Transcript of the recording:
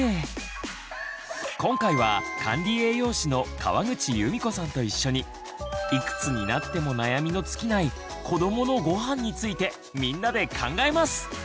今回は管理栄養士の川口由美子さんと一緒にいくつになっても悩みの尽きない子どものごはんについてみんなで考えます！